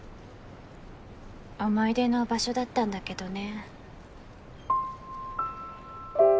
思い出の場所だったんだけどね